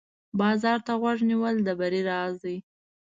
بازار ته غوږ نیول د بری راز دی.